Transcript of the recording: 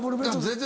全然！